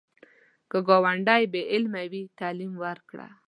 که ګاونډی بې علمه وي، تعلیم ورکړه